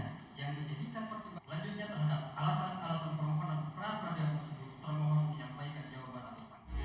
selanjutnya terhadap alasan alasan perempuan dan pra peradilan tersebut termohon menyampaikan jawaban